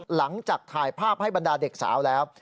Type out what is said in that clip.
หลังจากถ่ายภาพให้บรรดาเด็กสาวแล้ว